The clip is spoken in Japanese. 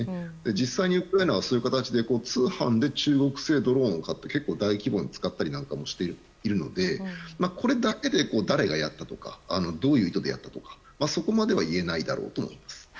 実際にウクライナは通販で中国製ドローンを買って大規模に使ったりしているのでこれだけで誰がやったとかどういう意図でやったとかそこまでは言えないだろうと思います。